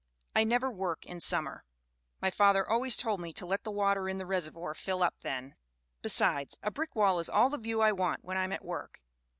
I never work in summer. My father always told me to let the water in the reservoir fill up then. Besides, a brick wall is all the view I want when I am at work.